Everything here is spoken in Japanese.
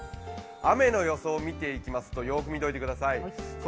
雨の予想、見ていきますとよーく見ておいてください。